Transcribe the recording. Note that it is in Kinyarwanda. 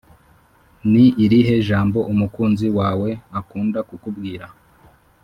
ni irihe jambo umukunzi wawe akunda kukubwira ?